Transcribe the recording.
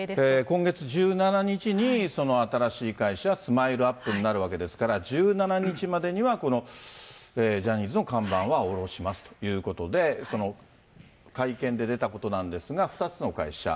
今月１７日にその新しい会社、スマイルアップになるわけですから、１７日までには、このジャニーズの看板は下ろしますということで、会見で出たことなんですが、２つの会社。